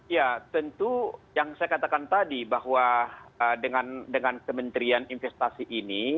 ya tentu yang saya katakan tadi bahwa dengan kementerian investasi ini